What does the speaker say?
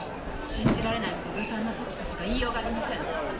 信じられないほどずさんな措置としか言いようがありません。